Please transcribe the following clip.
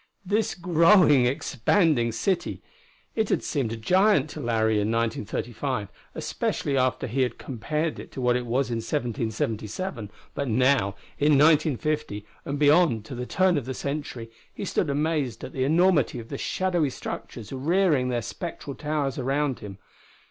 This growing, expanding city! It had seemed a giant to Larry in 1935, especially after he had compared it to what it was in 1777. But now, in 1950, and beyond to the turn of the century, he stood amazed at the enormity of the shadowy structures rearing their spectral towers around him.